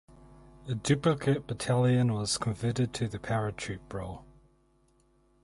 A duplicate battalion was converted to the paratroop role.